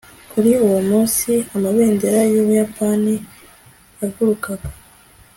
kuri uwo munsi, amabendera y'ubuyapani yagurukaga